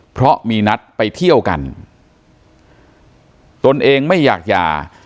เพราะมีนัดไปเที่ยวกันตนเองไม่อยากหย่า